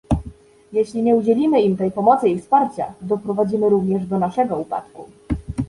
Jeśli nie udzielimy im tej pomocy i wsparcia, doprowadzimy również do naszego upadku